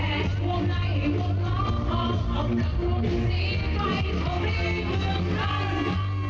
แอบวงในมุมล้อมของออกจากทุกสินใกล้เท่าที่เมืองกัน